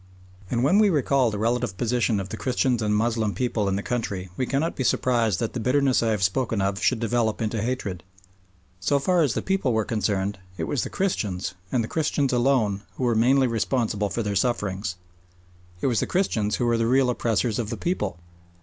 And when we recall the relative position of the Christians and the Moslem people in the country we cannot be surprised that the bitterness I have spoken of should develop into hatred. So far as the people were concerned, it was the Christians, and the Christians alone, who were mainly responsible for their sufferings. It was the Christians who were the real oppressors of the people.